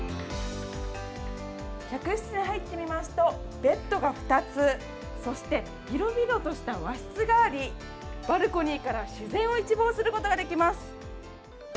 客室に入ってみますとベッドが２つ、そして広々とした和室があり、バルコニーから自然を一望することができます。